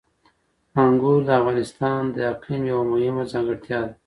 انګور د افغانستان د اقلیم یوه مهمه ځانګړتیا ده.